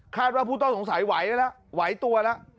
ว่าผู้ต้องสงสัยไหวแล้วไหวตัวแล้ว